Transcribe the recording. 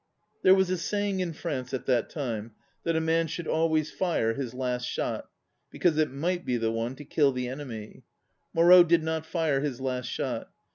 There was a saying in France at that time that a man should always fire his last shot, because it might be the one to kill the enemy. Moreau did not fire his last shot.